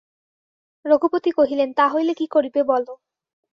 রঘুপতি কহিলেন, তা হইলে কী করিবে বলো।